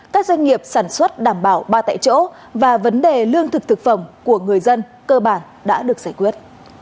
các doanh nghiệp sản xuất đảm bảo ba tại chỗ và vấn đề lương thực thực phẩm của người dân cơ bản đã được giải quyết